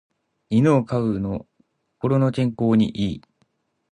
犬を飼うの心の健康に良い